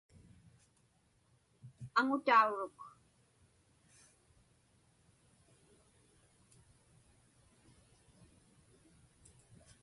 Aŋutauruk.